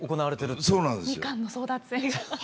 みかんの争奪戦が。